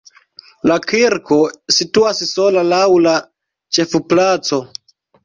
La kirko situas sola laŭ la ĉefplaco.